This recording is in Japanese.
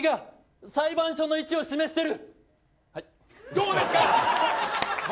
どうですか。